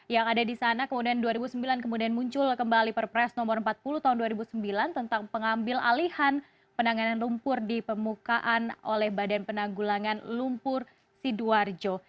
yang ada di sana kemudian dua ribu sembilan kemudian muncul kembali perpres nomor empat puluh tahun dua ribu sembilan tentang pengambil alihan penanganan lumpur di pemukaan oleh badan penanggulangan lumpur sidoarjo